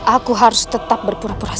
aku harus tetap berpura pura